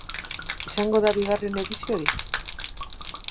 Izango da bigarren ediziorik?